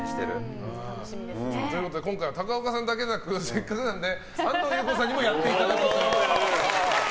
今回は高岡さんだけでなくせっかくなので安藤優子さんにもやっていただくと。